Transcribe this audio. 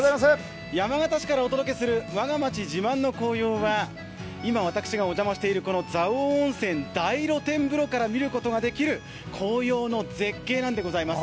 山形市からお届けする我が町自慢の紅葉は今私がお邪魔している蔵王温泉・大露天風呂から見える、紅葉の絶景なんでございます。